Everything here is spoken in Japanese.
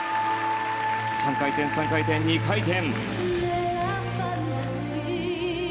３回転、３回転、２回転。